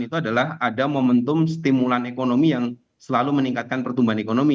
itu adalah ada momentum stimulan ekonomi yang selalu meningkatkan pertumbuhan ekonomi